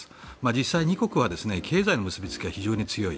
実際、２国は経済の結びつきは強い。